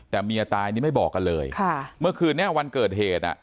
แต่เมียตายนี่ไม่บอกกันเลยค่ะเมื่อคืนนี้วันเกิดเหตุอ่ะ